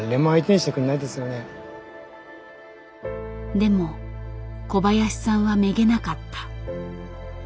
でも小林さんはめげなかった。